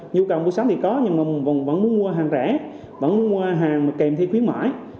nhu cầu buổi sáng thì có nhưng vẫn muốn mua hàng rẻ vẫn muốn mua hàng kèm thêm khuyến mại